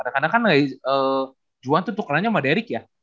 karena kan jual tuh tukernanya sama derick ya